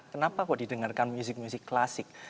kenapa kok didengarkan musik musik klasik